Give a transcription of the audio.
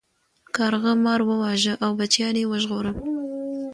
کارغه مار وواژه او بچیان یې وژغورل.